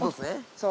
そう。